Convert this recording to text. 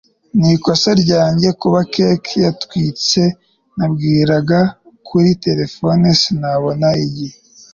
ni ikosa ryanjye kuba cake yatwitse. nabwiraga kuri terefone sinabona igihe